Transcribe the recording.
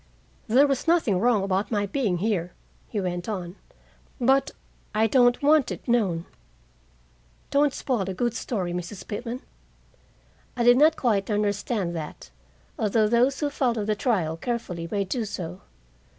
"There was nothing wrong about my being here," he went on, "but I don't want it known. Don't spoil a good story, Mrs. Pitman." I did not quite understand that, although those who followed the trial carefully may do so.